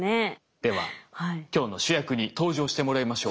では今日の主役に登場してもらいましょう。